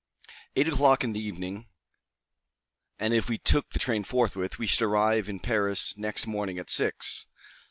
Eight o'clock in the evening; and if we took the train forthwith, we should arrive in Paris next morning at six.